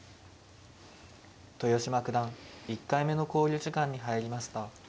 豊島九段１回目の考慮時間に入りました。